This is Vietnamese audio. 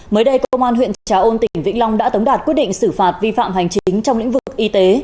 mới đây công an huyện trà ôn tỉnh vĩnh long đã tống đạt quyết định xử phạt vi phạm hành chính trong lĩnh vực y tế